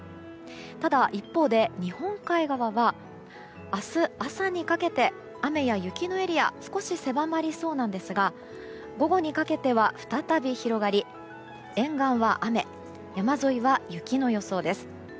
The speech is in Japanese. ただ一方で日本海側は明日朝にかけて雨や雪のエリア少し狭まりそうなんですが午後にかけては再び広がり沿岸は雨山沿いは雪の予想です。